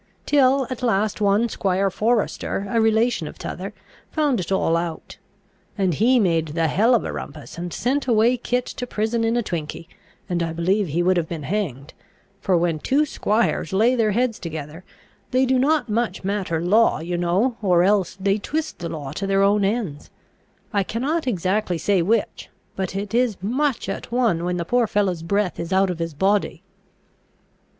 Till at last one squire Forester, a relation of t'other, found it all out. And he made the hell of a rumpus, and sent away Kit to prison in a twinky; and I believe he would have been hanged: for when two squires lay their heads together, they do not much matter law, you know; or else they twist the law to their own ends, I cannot exactly say which; but it is much at one when the poor fellow's breath is out of his body."